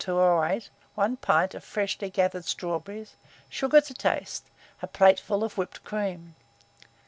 1208, 1 pint of freshly gathered strawberries, sugar to taste, a plateful of whipped cream.